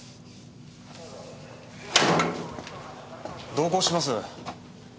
同行します。